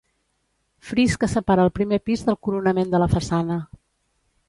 Fris que separa el primer pis del coronament de la façana.